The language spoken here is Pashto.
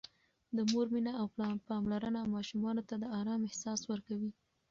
د مور مینه او پاملرنه ماشومانو ته د آرام احساس ورکوي.